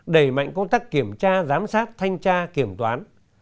đẩy mạnh công tác kiểm tra giám sát thanh tra kiểm toán